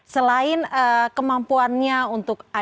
selain kemampuannya untuk adanya